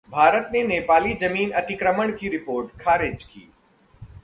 भारत ने नेपाली जमीन अतिक्रमण की रिपोर्ट खारिज की